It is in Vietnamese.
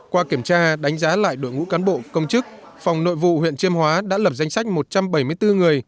qua kiểm tra đánh giá lại đội ngũ cán bộ công chức phòng nội vụ huyện chiêm hóa đã lập danh sách một trăm bảy mươi bốn người